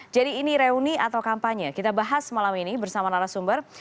jadi ini reuni atau kampanye kita bahas malam ini bersama narasumber